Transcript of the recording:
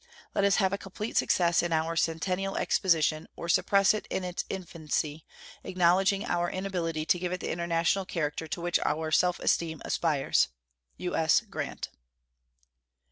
Let us have a complete success in our Centennial Exposition or suppress it in its infancy, acknowledging our inability to give it the international character to which our self esteem aspires. U.S. GRANT.